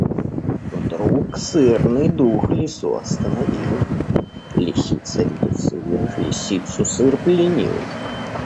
Вдруг сырный дух Лису остановил: Лисица видит сыр, — Лисицу сыр пленил.